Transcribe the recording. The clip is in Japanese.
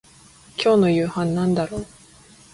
今日の夕飯なんだろう